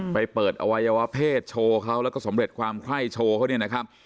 ไปเปิดอวัยวะเพศโชว์เขาแล้วก็สำเร็จความไข้โชว์เขาเนี่ยนะครับ